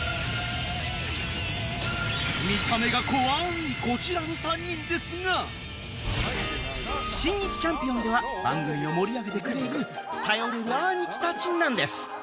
見た目が怖いこちらの３人ですが『新日ちゃんぴおん。』では番組を盛り上げてくれる頼れるアニキたちなんです